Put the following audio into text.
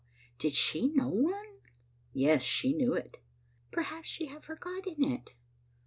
Did she know one?" "Yes, she knew it." " Perhaps she had forgotten it?"